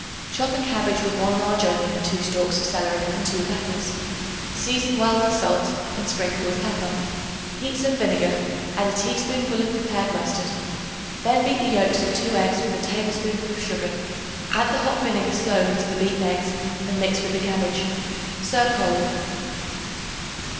Chop a cabbage with 1 large onion and 2 stalks of celery and 2 peppers; season well with salt and sprinkle with pepper. Heat some vinegar; add a teaspoonful of prepared mustard. Then beat the yolks of 2 eggs with a tablespoonful of sugar; add the hot vinegar slowly to the beaten eggs and mix with the cabbage. Serve cold.